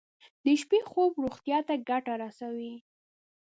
د شپې خوب روغتیا ته ګټه رسوي.